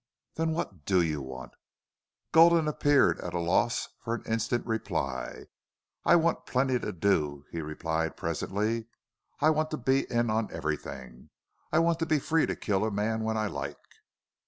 "Then what do you want?" Gulden appeared at a loss for an instant reply. "I want plenty to do," he replied, presently. "I want to be in on everything. I want to be free to kill a man when I like."